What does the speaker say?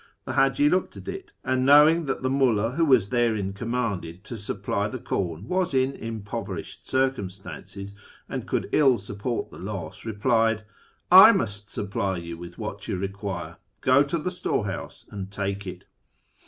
The Haji looked at it, and, knowing that the viulld who was therein commanded to supply the corn was in impoverished circumstances, and could ill support the loss, replied, " I must supply you with what you require ; go to the storehouse and take it."